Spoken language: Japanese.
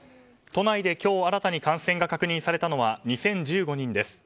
都内で今日新たに感染が確認されたのは２０１５人です。